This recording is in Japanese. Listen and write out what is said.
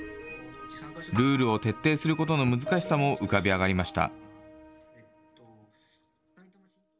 ルールを徹底することの難しさも浮かび上がりました。